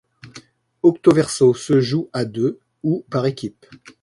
Octoverso se joue à deux ou par équipes.